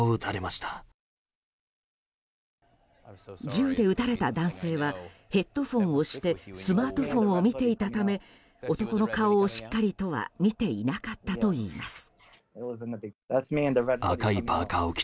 銃で撃たれた男性はヘッドホンをしてスマートフォンを見ていたため男の顔をしっかりとは見ていなかったといいます。